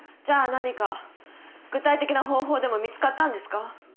じゃあ何か具体的な方法でも見つかったんですか？